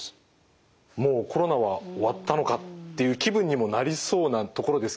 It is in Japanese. もうコロナは終わったのかっていう気分にもなりそうなところですけど。